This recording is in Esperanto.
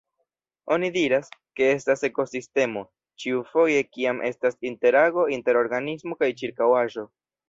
Oni diras, ke estas ekosistemo, ĉiufoje kiam estas interago inter organismo kaj ĉirkaŭaĵo.